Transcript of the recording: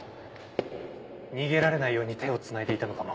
逃げられないように手を繋いでいたのかも。